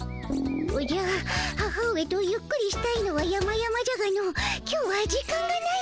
おじゃ母上とゆっくりしたいのはやまやまじゃがの今日は時間がないでおじゃる。